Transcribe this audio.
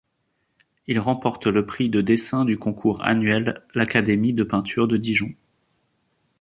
Il remporte le prix de dessin du concours annuel l'Académie de peinture de Dijon.